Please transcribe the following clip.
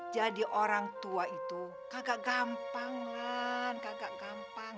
jadi orang tua itu kagak gampang kan kagak gampang